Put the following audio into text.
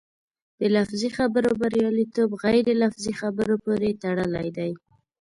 د لفظي خبرو بریالیتوب غیر لفظي خبرو پورې تړلی دی.